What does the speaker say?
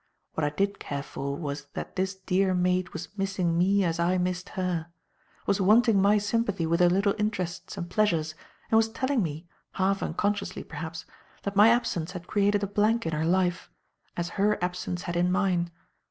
What I did care for was that this dear maid was missing me as I missed her; was wanting my sympathy with her little interests and pleasures and was telling me, half unconsciously, perhaps, that my absence had created a blank in her life, as her absence had in mine.